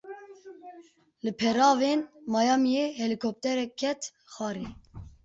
Li peravên Miamiyê helîkopterek ket xwarê.